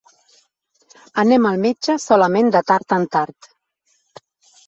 Anem al metge solament de tard en tard.